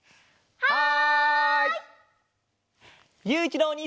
はい。